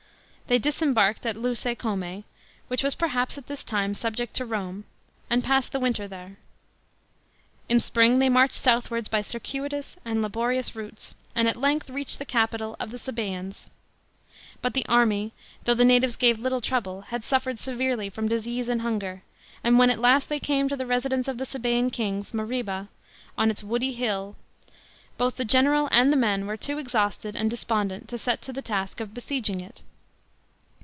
They disembarked at Lence* C6m6, which was perhaps at this time subject to Rome, and passed the winter there. In spring they marched southwards by circuitous and laborious routes, and at length reached the capital of the Sabaeans. But the army, though the natives gave little trouble, had suffered severely from dis ase and hunger, and \\hen at last they came to the residence of the iSabaean kings, Mariba, on its woody hill, both the general and the men were too exhausted and despondent to set to the task of besieging it.